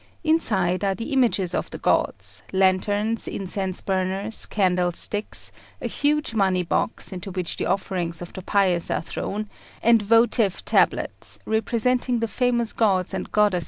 Inside are the images of the gods, lanterns, incense burners, candlesticks, a huge moneybox, into which the offerings of the pious are thrown, and votive tablets representing the famous gods and goddesses, heroes and heroines, of old.